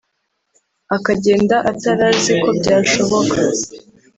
akagenda atari azi ko byashoboka